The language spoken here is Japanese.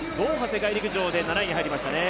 世界陸上で７位に入りましたね。